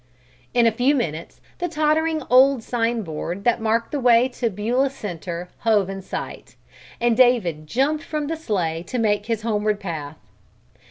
In a few minutes the tottering old sign board that marked the way to Beulah Center hove in sight, and David jumped from the sleigh to take his homeward path.